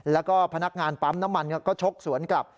แล้วก็พนักงานปั๊มน้ำมันก็ชกสวนกลับ